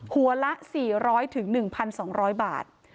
หัวละ๔๐๐๑๒๐๐บาท